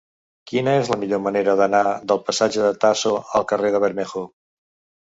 Quina és la millor manera d'anar del passatge de Tasso al carrer de Bermejo?